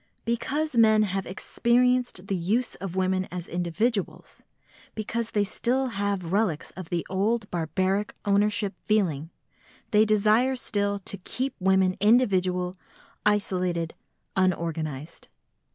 Because men have experienced the use of women as individuals, because they still have relics of the old barbaric ownership feeling, they desire still to keep women individual, isolated, unorganised.